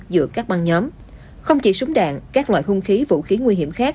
giữa các băng nhóm không chỉ súng đạn các loại vũ khí nguy hiểm khác